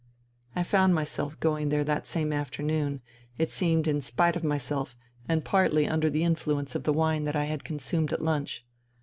I found myself going there that same afternoon, it seemed in spite of myself and partly under the influence of the wine that I had consumed at lunch.